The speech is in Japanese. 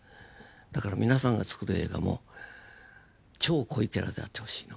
だから皆さんがつくる映画も超濃いキャラであってほしいの。